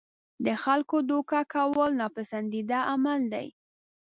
د خلکو دوکه کول ناپسندیده عمل دی.